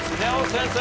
先生